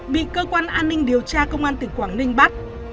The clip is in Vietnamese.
bị cơ quan an ninh điều tra công an tỉnh quảng ninh bắt